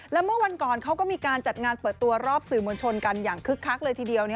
แล้วเมื่อวันก่อนเขาก็มีการจัดงานเปิดตัวรอบสื่อมวลชนกันอย่างคึกคักเลยทีเดียว